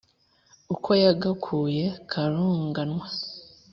Ukwo yagakuye karunganwa,